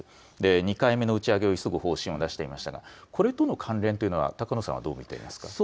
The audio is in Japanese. ２回目の打ち上げをする方針を出していましたがこれとの関連をどう見ていますか。